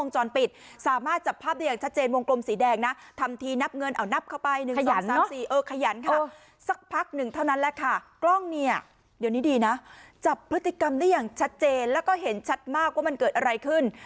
จับพฤติกรรมได้อย่างชัดเจนและก็เห็นชัดมากว่ามันเกิดอะไรขึ้น